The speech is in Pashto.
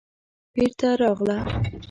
بېرته راغله.